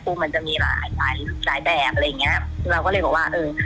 คือมันจะมีหลายหลายแบบอะไรอย่างเงี้ยเราก็เลยบอกว่าเออ